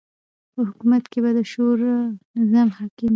په حکومت کی به د شورا نظام حاکم وی